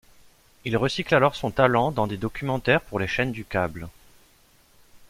Il recycle alors son talent dans des documentaires pour les chaînes du câble.